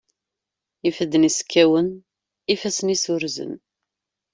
Ifadden-is kkawen, ifassen-is urzen.